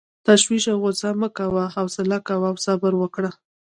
تشویش او غصه مه کوه، حوصله کوه او صبر وکړه.